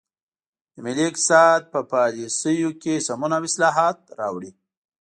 د ملي اقتصاد په پالیسیو کې سمون او اصلاحات راوړي.